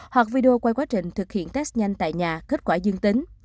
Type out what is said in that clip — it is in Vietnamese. hoặc video quay quá trình thực hiện test nhanh tại nhà kết quả dương tính